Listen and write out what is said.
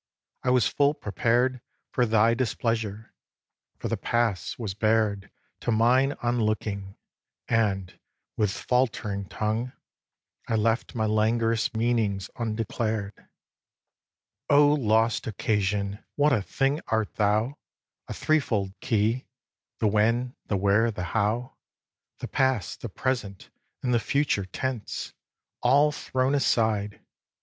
I was full prepared For thy displeasure, for the past was bared To mine on looking; and, with faltering tongue, I left my languorous meanings undeclared. xviii. O lost Occasion! what a thing art thou: A three fold key, the when, the where, the how, The past, the present and the future tense, All thrown aside.